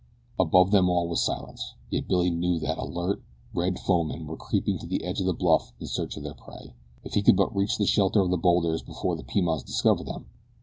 Above them all was silence, yet Billy knew that alert, red foemen were creeping to the edge of the bluff in search of their prey. If he could but reach the shelter of the bowlders before the Pimans discovered them!